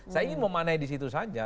saya ingin memanai di situ saja